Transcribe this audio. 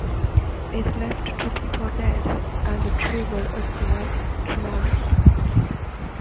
It left two people dead and triggered a small tsunami.